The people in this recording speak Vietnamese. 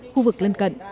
khu vực lân cận